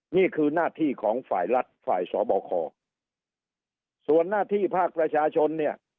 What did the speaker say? นี่คือหน้าที่ของฝ่ายรัฐฝ่ายสบคส่วนหน้าที่ภาคประชาชนเนี่ย